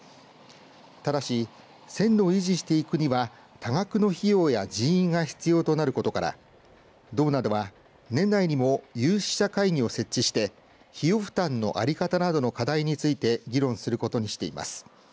ただし、線路を維持していくには多額の費用や人員が必要となることから道などは年内にも有識者会議を設置して費用負担のあり方などの課題について議論することにしています。